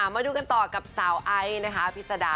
มาดูกันต่อกับสาวไอ้พิสดา